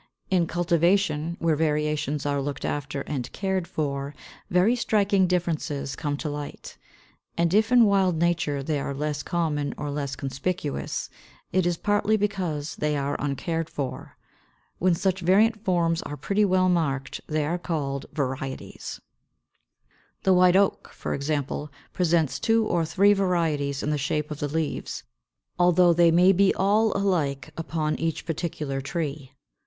In cultivation, where variations are looked after and cared for, very striking differences come to light; and if in wild nature they are less common or less conspicuous, it is partly because they are uncared for. When such variant forms are pretty well marked they are called 524. =Varieties.= The White Oak, for example, presents two or three varieties in the shape of the leaves, although they may be all alike upon each particular tree.